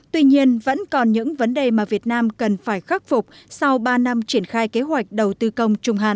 tuy nhiên vẫn còn những vấn đề mà việt nam cần phải khắc phục sau ba năm triển khai kế hoạch đầu tư công trung hạn